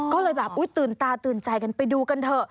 ก็เลยแบบอุ๊ยตื่นตาตื่นใจกันไปดูกันเถอะ